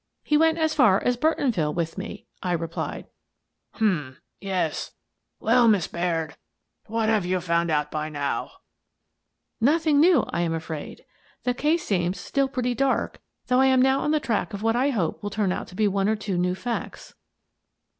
"He went as far as Burtonville with me," I replied. " Hum. — Yes. — Well, Miss Baird, what have you found out by now ?" 234 Miss Frances Baird, Detective " Nothing new, I am afraid. The case seems still pretty dark, though I am now on the track of what I hope will turn out to be one or two new facts."